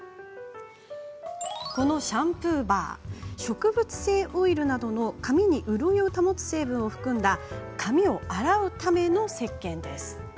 このシャンプーバー植物性のオイルなどの髪に潤いを保つ成分を含んだ髪を洗うためのせっけんです。